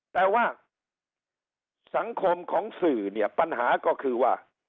แต่ว่าสังคมของสื่อเนี่ยปัญหาก็คือว่า